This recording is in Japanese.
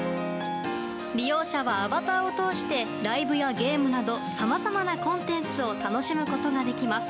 利用者はアバターを通してライブやゲームなどさまざまなコンテンツを楽しむことができます。